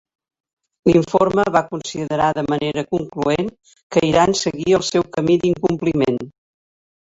L'informe va considerar de manera concloent que Iran seguia el seu camí d'incompliment.